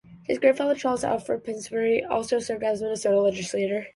His grandfather Charles Alfred Pillsbury also served in the Minnesota Legislature.